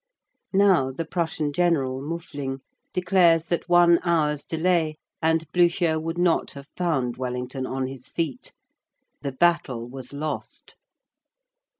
Now the Prussian general, Muffling, declares that one hour's delay, and Blücher would not have found Wellington on his feet. "The battle was lost."